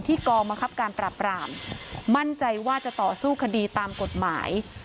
กองบังคับการปราบรามมั่นใจว่าจะต่อสู้คดีตามกฎหมาย